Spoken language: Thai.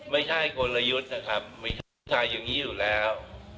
ไม่ใช่โกลยุทธ์นะครับไม่ใช่ใส่อย่างนี้อยู่แล้ว